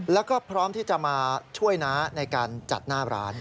แล้วก็พร้อมที่จะมาช่วยน้าในการจัดหน้าร้าน